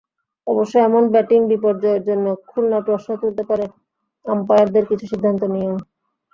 অবশ্য এমন ব্যাটিং বিপর্যয়ের জন্য খুলনা প্রশ্ন তুলতে পারে আম্পায়ারদের কিছু সিদ্ধান্ত নিয়েও।